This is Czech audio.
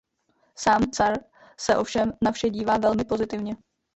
Sám Carr se ovšem na vše díval velmi pozitivně.